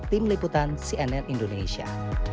tim liputan cnn indonesia